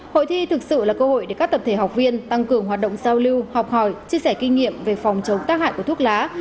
hội thi thực sự là cơ hội để các tập thể học viên tăng cường hoạt động giao lưu học hỏi chia sẻ kinh nghiệm về phòng chống tác hại của thuốc lá